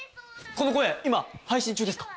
この声今配信中ですか？